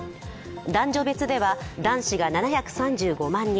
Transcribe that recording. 男女別では男子が７３５万人